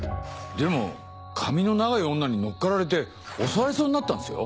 でも髪の長い女に乗っかられて襲われそうになったんですよ？